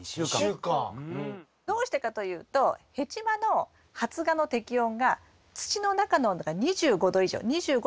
どうしてかというとヘチマの発芽の適温が土の中の温度が２５℃以上２５℃３０℃